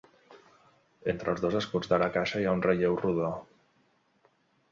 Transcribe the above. Entre els dos escuts de la caixa hi ha un relleu rodó.